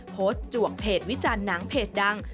จวกเพจวิจารณ์หนังเพจดัง